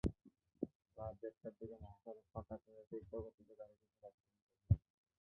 রাত দেড়টার দিকে মহাসড়ক ফাঁকা পেয়ে অতিরিক্ত গতিতে গাড়িটি চালাচ্ছিলেন জহির।